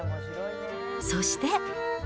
そして。